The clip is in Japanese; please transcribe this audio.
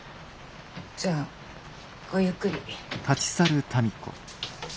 じゃあごゆっくり。